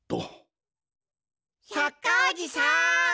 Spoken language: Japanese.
百科おじさん！